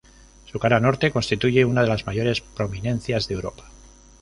Su cara norte constituye una de las mayores prominencias de Europa.